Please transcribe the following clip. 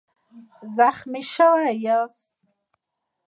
زخمي شوی یاست؟